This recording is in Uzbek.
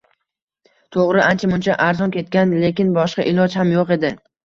Toʻgʻri, ancha-muncha arzon ketgan, lekin boshqa iloj ham yoʻq edi.